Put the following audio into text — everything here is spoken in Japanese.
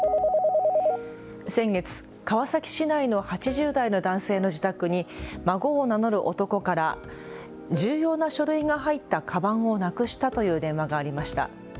先月、川崎市内の８０代の男性の自宅に孫を名乗る男から重要な書類が入ったかばんをなくしたという電話がありました。